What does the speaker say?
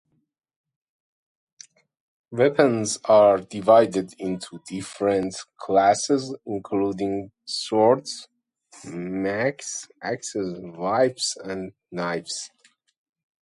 Weapons are divided into different classes, including swords, maces, axes, whips and knives.